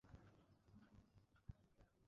অনেকদিন ধরেই ও একটা কুকুর চেয়ে আসছে।